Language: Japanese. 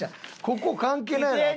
ここ関係ないやろ。